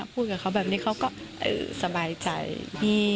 พูดกับเขาแบบนี้เขาก็สบายใจ